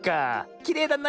きれいだな。